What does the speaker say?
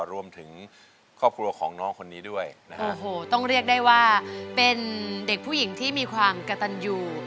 รวมถึงครอบครัวของน้องคนนี้ด้วยนะฮะโอ้โหต้องเรียกได้ว่าเป็นเด็กผู้หญิงที่มีความกระตันอยู่